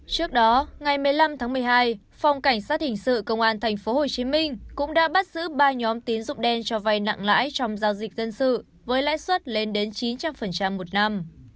trước đó ngày một mươi năm tháng một mươi hai phòng cảnh sát hình sự công an tp hcm cũng đã bắt giữ ba nhóm tín dụng đen cho vay nặng lãi trong giao dịch dân sự với lãi suất lên đến chín trăm linh một năm